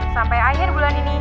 sampai akhir bulan ini